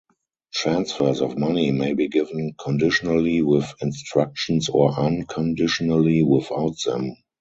Transfers of money may be given conditionally with instructions or unconditionally without them.